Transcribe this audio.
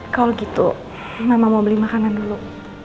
kalau gitu mama mau beli makanan dulu